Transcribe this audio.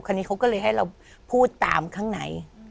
นี้เขาก็เลยให้เราพูดตามข้างใน